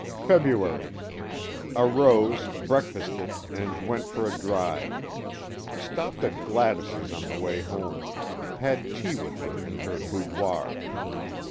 ] February . Arose, breakfasted, and went for a drive; stopped at Gladys's on the way home; had tea with her in her boudoir.